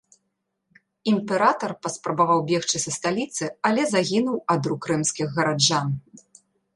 Імператар паспрабаваў бегчы са сталіцы, але загінуў ад рук рымскіх гараджан.